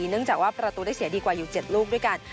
เนื่องจากว่าประตูได้เสียดีกว่าอยู่๗ลูกด้วยกัน